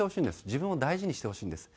自分を大事にしてほしいんです。